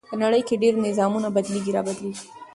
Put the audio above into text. په نړۍ کې ډېر نظامونه بدليږي را بدلېږي .